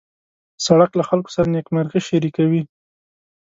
سړک له خلکو سره نېکمرغي شریکوي.